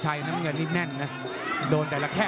จัดไว้นี่ลูกนี้มิดกับคอยวิทยาเป็นคู่เอกที่ราชดำเนินนะครับ